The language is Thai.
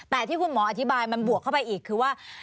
แต่ที่คุณหมออธิบายมันบวกเข้าไปอีกคือว่า